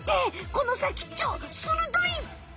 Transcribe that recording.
このさきっちょするどい！